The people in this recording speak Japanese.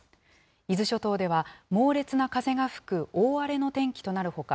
伊豆諸島では猛烈な風が吹く大荒れの天気となるほか、